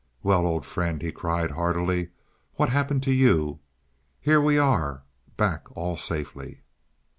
"Well, old friend!" he cried heartily. "What happened to you? Here we are back all safely."